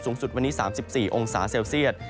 สุดวันนี้๓๔องศาเซลเซียต